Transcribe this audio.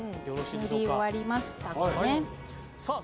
塗り終わりましたかね。